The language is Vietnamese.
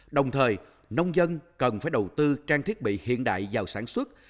đồng thời nông dân cần phải đầu tư trang thiết bị hiện đại vào sản xuất